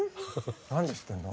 何で知ってんの？